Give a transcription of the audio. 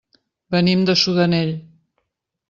Venim de Sudanell.